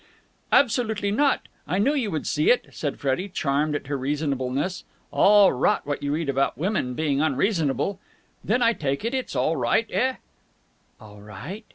"Absolutely not. I knew you would see it!" said Freddie, charmed at her reasonableness. All rot, what you read about women being unreasonable. "Then I take it it's all right, eh?" "All right?"